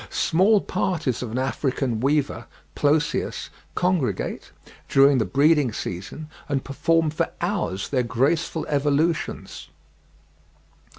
Small parties of an African weaver (Ploceus) congregate, during the breeding season, and perform for hours their graceful evolutions.